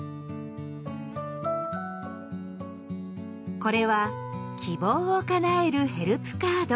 これは「希望をかなえるヘルプカード」。